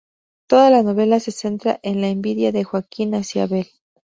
Toda la novela se centra en la envidia de Joaquín hacia Abel.